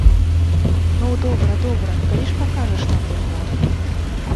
Ну, добра, добра, калі ж пакажаш нам яго?